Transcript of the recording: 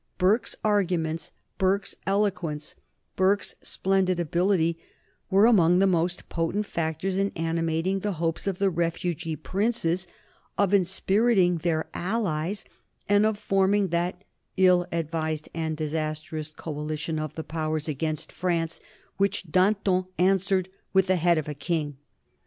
Burke's arguments, Burke's eloquence, Burke's splendid ability were among the most potent factors in animating the hopes of the refugee princes, of inspiriting their allies, and of forming that ill advised and disastrous coalition of the Powers against France which Danton answered with the head of a king.